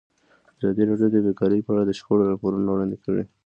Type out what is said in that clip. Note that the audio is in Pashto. ازادي راډیو د بیکاري په اړه د شخړو راپورونه وړاندې کړي.